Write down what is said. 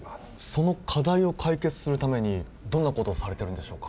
その課題を解決するためにどんなことをされてるんでしょうか？